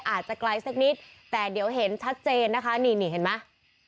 อาจจะไกลสักนิดแต่เดี๋ยวเห็นชัดเจนนะคะนี่นี่เห็นไหม